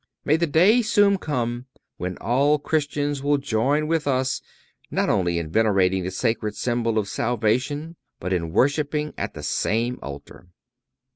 May the day soon come when all Christians will join with us not only in venerating the sacred symbol of salvation, but in worshiping at the same altar.